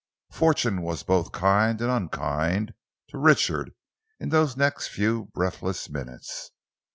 Fortune was both kind and unkind to Richard in those next few breathless minutes.